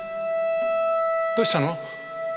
どうしたの？